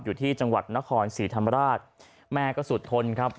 อยู่ที่จังหวัดนครศรีธรรมราชแม่ก็สุดทนครับ